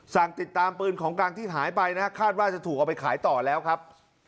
สั่งติดตามปืนของกลางที่หายไปนะครับคาดว่าจะถูกเอาไปขายต่อแล้วครับ